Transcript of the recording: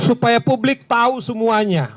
supaya publik tahu semuanya